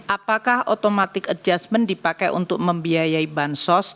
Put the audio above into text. apakah automatic adjustment dipakai untuk membiayai bansos